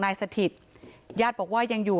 สถิตญาติบอกว่ายังอยู่